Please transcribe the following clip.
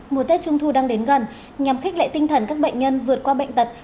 mùa tết trung thu đang đến gần nhằm khích lệ tinh thần các bệnh nhân vượt qua bệnh tật